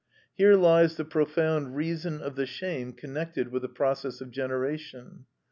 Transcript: Here lies the profound reason of the shame connected with the process of generation.